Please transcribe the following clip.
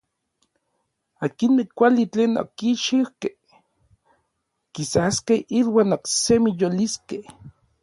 Akinmej kuali tlen okichijkej kisaskej iuan oksemi yoliskej.